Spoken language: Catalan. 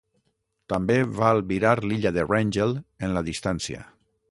També va albirar l’Illa de Wrangel en la distància.